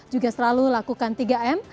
juga selalu lakukan tiga m